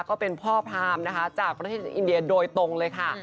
ก็เป็นพ่อพรามนะคะจากประเทศอินเดียโดยตรงเลยค่ะ